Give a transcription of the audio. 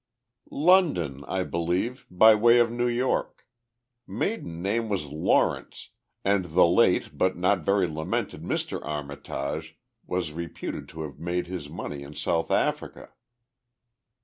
"London, I believe, by way of New York. Maiden name was Lawrence and the late but not very lamented Mr. Armitage was reputed to have made his money in South Africa."